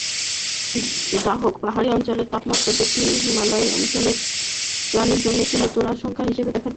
যাহোক, পাহাড়ি অঞ্চলের তাপমাত্রা বৃদ্ধি হিমালয় অঞ্চলের প্রাণীদের জন্য একটি নতুন আশঙ্কা হিসাবে দেখা দিয়েছে।